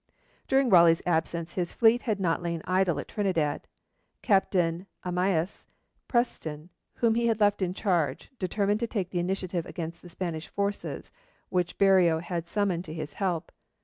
During Raleigh's absence his fleet had not lain idle at Trinidad. Captain Amyas Preston, whom he had left in charge, determined to take the initiative against the Spanish forces which Berreo had summoned to his help.